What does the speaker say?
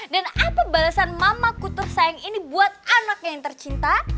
dan apa balasan mamaku tersayang ini buat anak yang tercinta